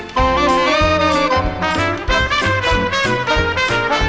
สวัสดีครับ